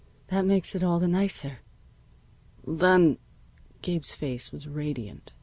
"That makes it all the nicer." "Then " Gabe's face was radiant.